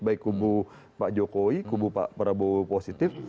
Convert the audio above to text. baik kubu pak jokowi kubu pak prabowo positif